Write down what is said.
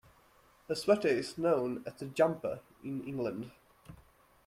A sweater is known as a jumper in England.